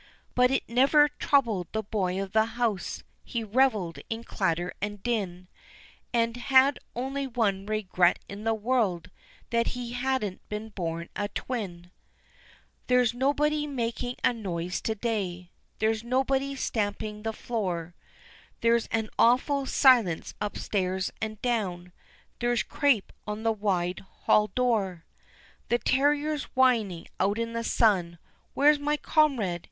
But it never troubled the boy of the house, He revelled in clatter and din, And had only one regret in the world That he hadn't been born a twin. There's nobody making a noise to day, There's nobody stamping the floor, There's an awful silence up stairs and down, There's crape on the wide hall door. The terrier's whining out in the sun "Where's my comrade?"